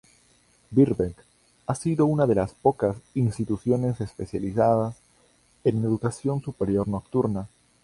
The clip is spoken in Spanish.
Birkbeck ha sido una de las pocas instituciones especializadas en educación superior nocturna.